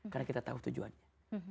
karena kita tahu tujuannya